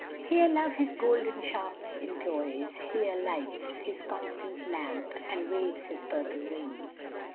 "Here love his golden shafts employs, here lights His constant lamp, and waves his purple wings."